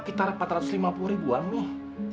pitar empat ratus lima puluh ribuan nih